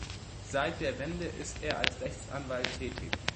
Seit der Wende ist er als Rechtsanwalt tätig.